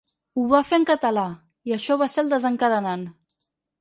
Ho va fer en català, i això va ser el desencadenant.